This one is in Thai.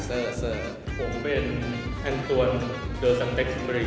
อ่ะนึงเป็นแอนต์ตัวนเดอร์ซานเตคซี่เบอรี